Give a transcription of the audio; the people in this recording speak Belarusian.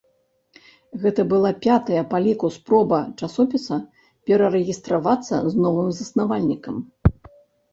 Гэта была пятая па ліку спроба часопіса перарэгістравацца з новым заснавальнікам.